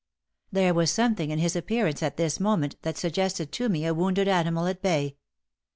There was something in his appearance at this moment that suggested to me a wounded animal at bay.